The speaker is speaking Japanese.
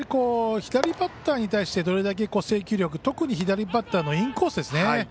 左バッターに対してどれだけ制球力特に左バッターのインコースですね。